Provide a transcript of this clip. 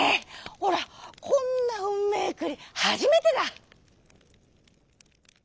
おらこんなうんめえくりはじめてだ」。